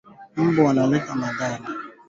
Kupe husambaza ugonjwa wa mkojo mwekundu